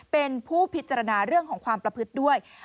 เป็นผู้พิจารณาเรื่องของความประพฤติด้วย